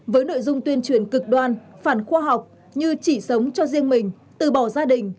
với nội dung tuyên truyền cực đoan phản khoa học như chỉ sống cho riêng mình từ bỏ gia đình